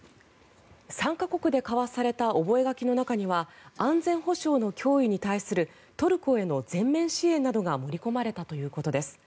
３か国で交わされた覚書の中には安全保障の脅威に対するトルコへの全面支援などが盛り込まれたということです。